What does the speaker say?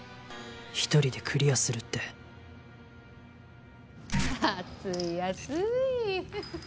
一人でクリアするって暑い暑い。